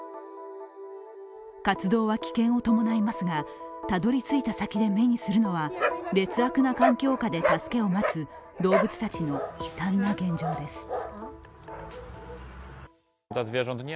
活動は危険を伴いますがたどり着いた先で目にするのは、劣悪な環境下で助けを待つ動物たちの悲惨な現状です。